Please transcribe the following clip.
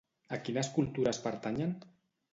A quines cultures pertanyen?